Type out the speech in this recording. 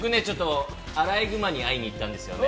アライグマに会いに行ったんですよね。